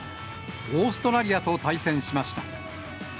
オーストラリアと対戦しました。